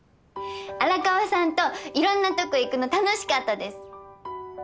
荒川さんといろんなとこ行くの楽しかったです。